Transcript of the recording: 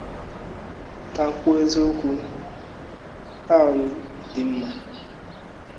The town is, generally speaking, also well-to-do.